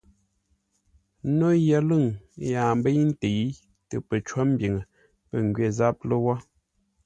No yəlʉ̂ŋ yaa mbəi ntə̂i tə pəcó mbiŋə pə̂ ngwê záp lə́wó.